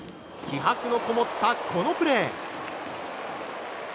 気迫のこもったこのプレー。